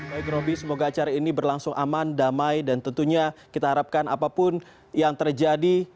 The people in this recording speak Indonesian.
baik roby semoga acara ini berlangsung aman damai dan tentunya kita harapkan apapun yang terjadi